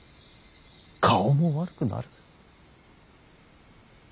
顔も悪くなる。